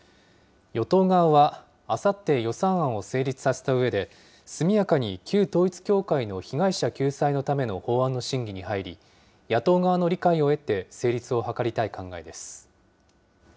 与党側は、あさって、予算案を成立させたうえで、速やかに旧統一教会の被害者救済のための法案の審議に入り、野党側の理解を得て、成立を図りたい考えです。